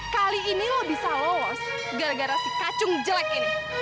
kali ini lo bisa lolos gara gara si kacung jelek ini